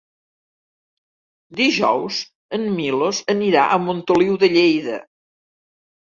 Dijous en Milos anirà a Montoliu de Lleida.